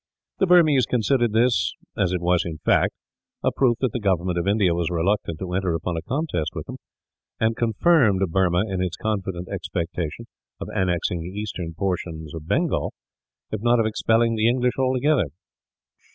The Burmese considered this, as it was in fact, a proof that the government of India was reluctant to enter upon a contest with them; and confirmed Burma in its confident expectation of annexing the eastern portions of Bengal, if not of expelling the English altogether.